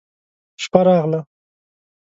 شپه راغله.